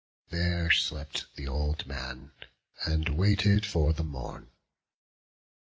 There slept th' old man, and waited for the morn.